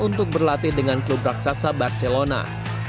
untuk berlatih dengan klub raksasa barcelona